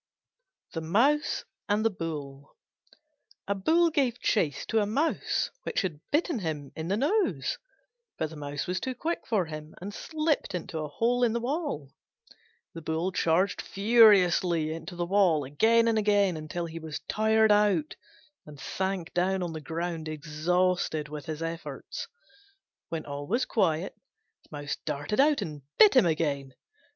THE MOUSE AND THE BULL A Bull gave chase to a Mouse which had bitten him in the nose: but the Mouse was too quick for him and slipped into a hole in a wall. The Bull charged furiously into the wall again and again until he was tired out, and sank down on the ground exhausted with his efforts. When all was quiet, the Mouse darted out and bit him again.